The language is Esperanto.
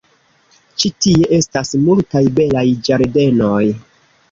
Ĉi tie estas multaj belaj ĝardenoj.